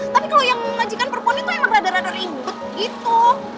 tapi kalau yang ngajikan perpon itu emang agak agak inget gitu